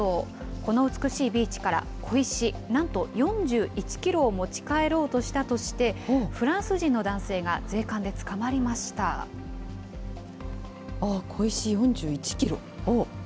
この美しいビーチから、小石なんと４１キロを持ち帰ろうとしたとして、フランス人の男性が税関であー、小石４１キロ。